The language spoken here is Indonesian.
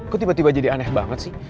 kok tiba tiba jadi aneh banget sih